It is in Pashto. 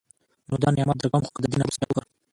نو دا نعمت درکوم، خو که د دي نه وروسته چا کفر